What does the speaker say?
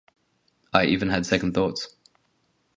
I even had second thoughts.